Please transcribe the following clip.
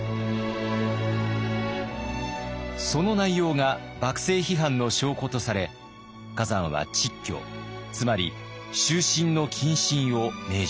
その内容が幕政批判の証拠とされ崋山は蟄居つまり終身の謹慎を命じられます。